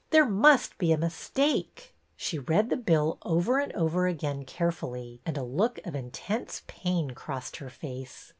There must be a mistake." She read the bill over and over again carefully, and a look of intense pain crossed her face.